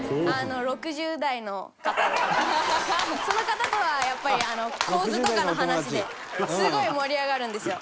その方とはやっぱり構図とかの話ですごい盛り上がるんですよ。